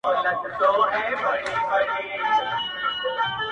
په وینا سو په کټ کټ سو په خندا سو.!